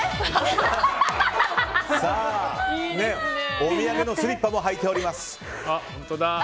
お土産のスリッパも履いております。